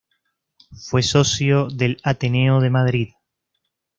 Fue socio del Ateneo de Madrid.